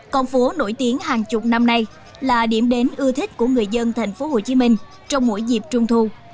con phố nổi tiếng hàng chục năm nay là điểm đến ưa thích của người dân tp hcm trong mỗi dịp trung thu